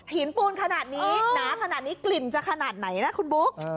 ปูนขนาดนี้หนาขนาดนี้กลิ่นจะขนาดไหนนะคุณบุ๊ค